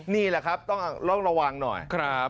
นี่แหละครับต้องระวังหน่อย